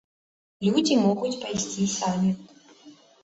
Людзі могуць пайсці самі.